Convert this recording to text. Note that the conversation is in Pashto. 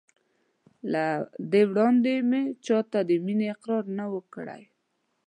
له دې وړاندې مې چا ته د مینې اقرار نه و کړی.